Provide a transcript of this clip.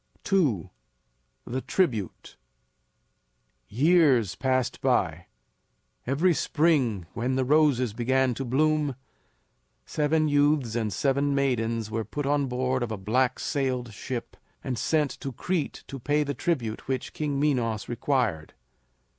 II. THE TRIBUTE. Years passed by. Every spring when the roses began to bloom seven youths and seven maidens were put on board of a black sailed ship and sent to Crete to pay the tribute which King Minos required.